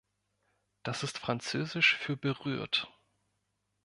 Das ist Französisch für „berührt“.